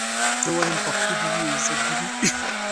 زه وايم پښتو دي وي عزت دي وي